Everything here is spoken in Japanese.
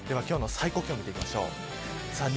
今日の最高気温を見ていきましょう。